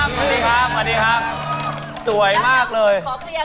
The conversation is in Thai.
มเอดีครับสวยมากเลย